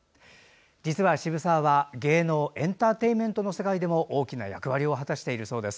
実は渋沢は、芸能エンターテインメントの世界でも大きな役割を果たしているそうです。